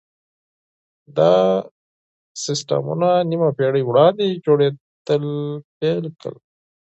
دا سيستمونه نيمه پېړۍ وړاندې جوړېدل پيل کړل.